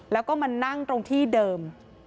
แล้วก็มานั่งตรงที่เดิม